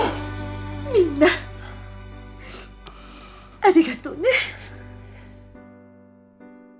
みんなありがとうね。